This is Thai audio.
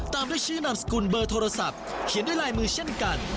ตามด้วยชื่อนามสกุลเบอร์โทรศัพท์เขียนด้วยลายมือเช่นกัน